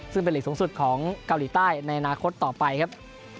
ซึ่งเป็นหลีกสูงสุดของเกาหลีใต้ในอนาคตต่อไปครับ